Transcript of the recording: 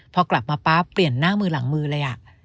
พอกลับมาปั๊บเปลี่ยนหน้ามือหลังมือเลย